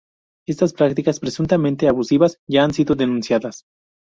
Estas prácticas presuntamente abusivas ya han sido denunciadas.